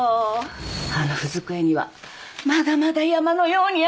あの文机にはまだまだ山のようにある！